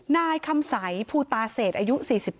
นายคำสัยภูตาเศษอายุ๔๗